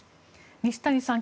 西谷さん